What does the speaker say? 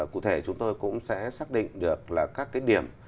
cụ thể chúng tôi cũng sẽ xác định được các điểm